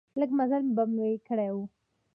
لږ مزل به مې کړی و.